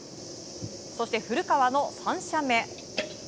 そして、古川の３射目。